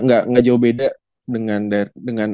gak jauh beda dengan